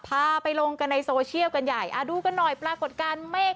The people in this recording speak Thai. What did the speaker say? พาไปลงกันในโซเชียลกันใหญ่อ่าดูกันหน่อยปรากฏการณ์เมฆ